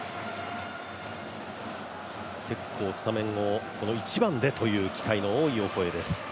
結構スタメンを１番でという機会が多いオコエです